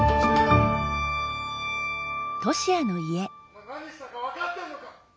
「おまえ何したかわかってんのか！？